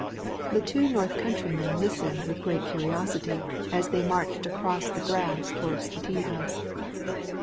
The two North countrymen listened with great curiosity as they marched across the grass towards the tea house.